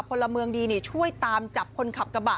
พลเมืองดีช่วยตามจับคนขับกระบะ